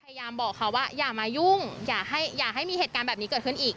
พยายามบอกเขาว่าอย่ามายุ่งอย่าให้มีเหตุการณ์แบบนี้เกิดขึ้นอีก